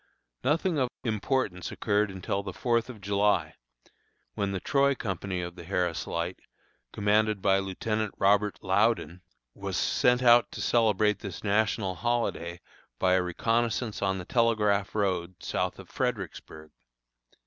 Nothing of importance occurred until the Fourth of July, when the Troy company of the Harris Light, commanded by Lieutenant Robert Loudon, was sent out to celebrate this national holiday by a reconnoissance on the Telegraph Road, south of Fredericksburg.